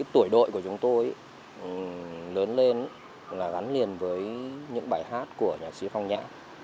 tuổi đội của chúng tôi lớn lên gắn liền với những bài hát của nhạc sĩ phong nhã